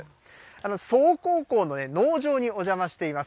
曽於高校の農場にお邪魔しています。